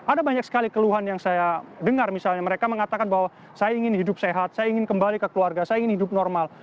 ada banyak sekali keluhan yang saya dengar misalnya mereka mengatakan bahwa saya ingin hidup sehat saya ingin kembali ke keluarga saya ingin hidup normal